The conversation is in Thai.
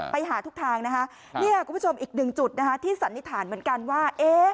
ไปหาทุกทางนะคะเนี่ยคุณผู้ชมอีกหนึ่งจุดนะคะที่สันนิษฐานเหมือนกันว่า